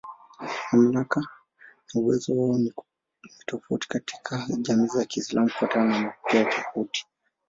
Mamlaka na uwezo wao ni tofauti katika jamii za Kiislamu kufuatana na mapokeo tofauti.